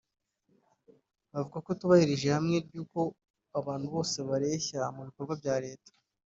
bavuga ko utubahirije ihame ry’uko abantu bose bareshya mu bikorwa bya Leta